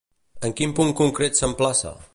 En quin punt concret s'emplaça?